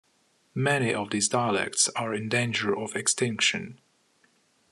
Many of these dialects are in danger of extinction.